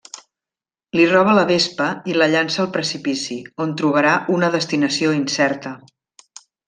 Li roba la Vespa i la llança al precipici, on trobarà una destinació incerta.